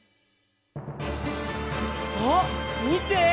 あっみて！